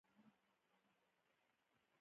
مرکه کوونکی مې نه پېژنده.